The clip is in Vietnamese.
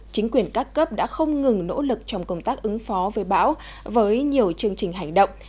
chính quyền các cấp đã không ngừng nỗ lực trong công tác ứng phó với bão với nhiều chương trình hành động